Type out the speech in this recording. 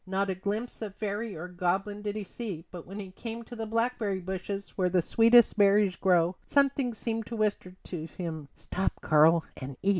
Not a glimpse of fairy or goblin did he see, but when he came to the blackberry bushes where the sweetest berries grow something seemed to whisper to him: "Stop, Karl, and eat."